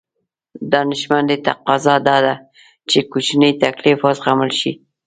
دانشمندي تقاضا دا ده چې کوچنی تکليف وزغمل شي.